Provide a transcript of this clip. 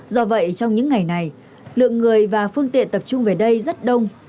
do vậy trong những ngày này lượng người và phương tiện tập trung về đây rất đông